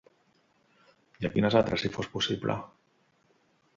I a quines altres si fos possible?